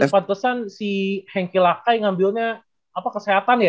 pantesan si hengki lakai ngambilnya apa kesehatan ya